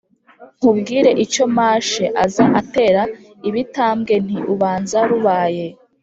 Nkubwire icyo mashe; Aza atera ibitambwe Nti: ubanza rubaye.